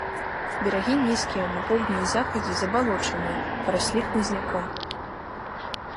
Берагі нізкія, на поўдні і захадзе забалочаныя, параслі хмызняком.